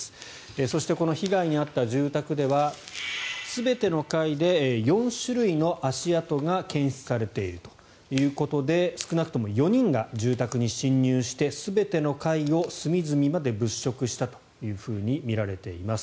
そして、被害に遭った住宅では全ての階で４種類の足跡が検出されているということで少なくとも４人が住宅に侵入して全ての階を隅々まで物色したとみられています。